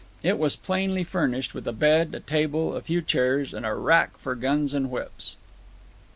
It was plainly furnished with a bed, a table, a few chairs, and a rack for guns and whips.